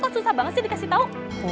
gimana sih dikasih tau